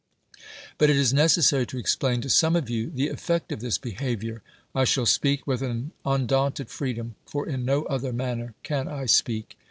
But it is necessary to explain to some of you the effect of this behavior. (I shall speak with an undaunted freedom, for in no other manner can I speak.)